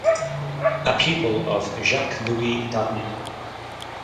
A pupil of Jacques Louis David.